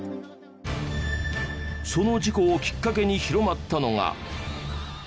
その事故をきっかけに広まったのが。